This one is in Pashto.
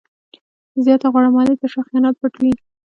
د زیاتې غوړه مالۍ تر شا خیانت پټ وي.